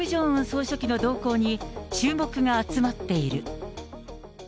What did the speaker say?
総書記の動向に、注目が集まっている。